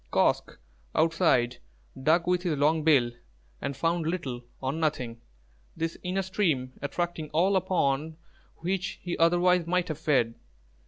Kosq' outside dug with his long bill and found little or nothing, this inner stream attracting all upon which he otherwise might have fed.